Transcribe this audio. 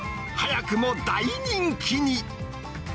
早くも大人気に。